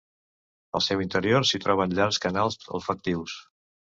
Al seu interior s'hi trobaven llargs canals olfactius.